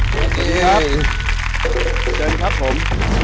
เชิญครับผม